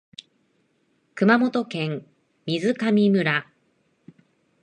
熊本県水上村